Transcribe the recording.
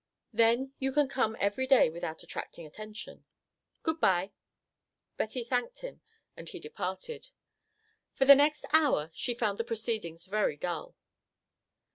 Then you can come every day without attracting attention. Good bye." Betty thanked him, and he departed. For the next hour she found the proceedings very dull.